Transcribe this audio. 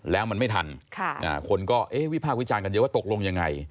แล้วมันไม่ทันคนก็วิพากษ์วิจารณ์กันเยอะว่าตกลงยังไง